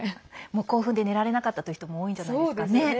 もう興奮で寝られなかったという人も多いんじゃないですかね。